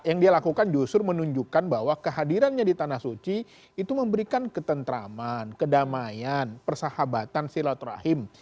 yang dia lakukan justru menunjukkan bahwa kehadirannya di tanah suci itu memberikan ketentraman kedamaian persahabatan silaturahim